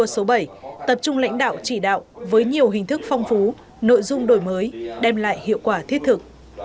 số bảy tập trung lãnh đạo chỉ đạo với nhiều hình thức phong phú nội dung đổi mới đem lại hiệu quả thiết thực